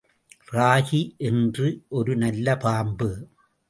ராகி என்று ஒரு நல்ல பாம்பு.